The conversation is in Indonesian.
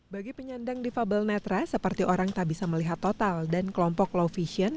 bagi penyandang difabel netra seperti orang tak bisa melihat total dan kelompok low vision